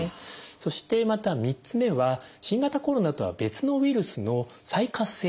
そしてまた３つ目は新型コロナとは別のウイルスの再活性化。